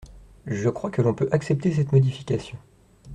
Je crois que l’on peut accepter cette modification.